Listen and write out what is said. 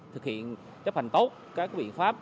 thực hiện chấp hành tốt các biện pháp